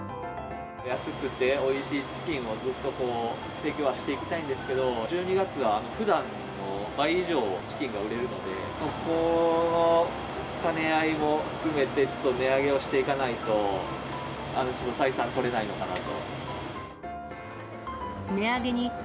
安くておいしいチキンをずっと提供はしていきたいんですけど、１２月は、ふだんの倍以上、チキンが売れるので、そこの兼ね合いも含めて、ちょっと値上げをしていかないと、うちも採算取れないのかなと。